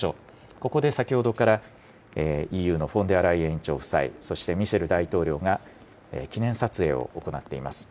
ここで先ほどからＥＵのフォンデアライエン委員長夫妻、そしてミシェル大統領が記念撮影を行っています。